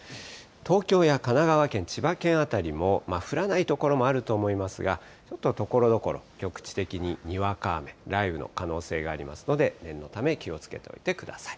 東京や神奈川県、千葉県辺りも、降らない所もあると思いますが、ちょっとところどころ、局地的ににわか雨、雷雨の可能性がありますので、念のため気をつけておいてください。